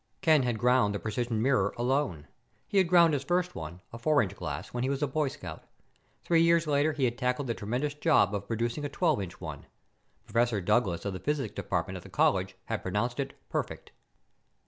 Ken had ground the precision mirror alone. He had ground his first one, a 4 inch glass, when he was a Boy Scout. Three years later he had tackled the tremendous job of producing a 12 inch one. Professor Douglas of the physics department at the college had pronounced it perfect.